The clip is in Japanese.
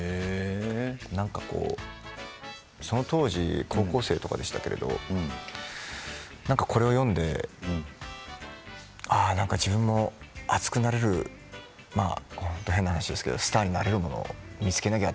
なんかこう、その当時高校生とかでしたけどこれを読んでああ、なんか自分も熱くなれる変な話ですけどスターになれるものを見つけなくちゃ